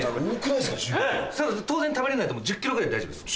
当然食べれないと思うんで１０ｋｇぐらいで大丈夫です。